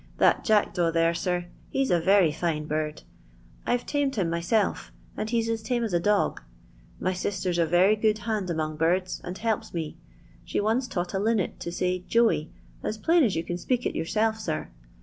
That jackdaw there, } 's a Tery fine bird. I 'to tamed him my ind he 's as tame as a dog. Hy sister 's a pod hand among birds, and helps me. 8he anght a linnet to say 'Joey' as plain as yon MU it yourself, sir.